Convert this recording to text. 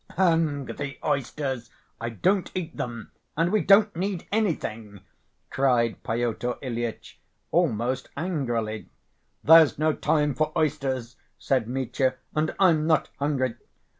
"Hang the oysters. I don't eat them. And we don't need anything," cried Pyotr Ilyitch, almost angrily. "There's no time for oysters," said Mitya. "And I'm not hungry.